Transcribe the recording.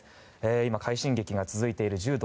今、快進撃が続いている柔道